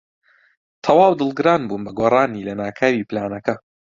تەواو دڵگران بووم بە گۆڕانی لەناکاوی پلانەکە.